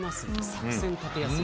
作戦を立てやすい。